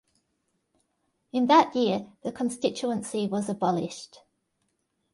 In that year the constituency was abolished.